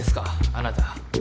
あなた。